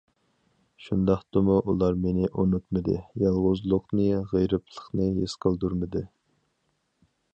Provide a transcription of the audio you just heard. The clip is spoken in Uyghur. شۇنداقتىمۇ ئۇلار مېنى ئۇنتۇمىدى، يالغۇزلۇقنى، غېرىبلىقنى ھېس قىلدۇرمىدى.